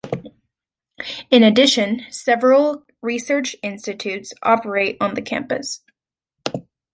In addition, several research institutes operate on the campus.